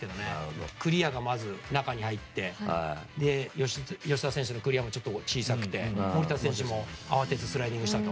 クリアがまず中に入って吉田選手のクリアが小さくて守田選手も慌ててスライディングしたと。